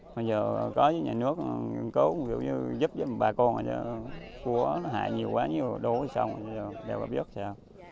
hồi giờ có nhà nước nghiên cứu giúp giúp ba con cua hại nhiều quá đổ xong rồi đều có biết sao